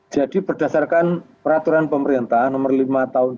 jadi berdasarkan peraturan pemerintah no lima tahun dua ribu dua puluh satu